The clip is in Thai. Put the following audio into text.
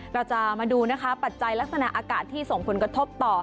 เราจะมาดูนะคะปัจจัยลักษณะอากาศที่ส่งผลกระทบต่อ